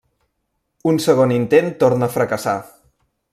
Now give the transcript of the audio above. Un segon intent torna a fracassar.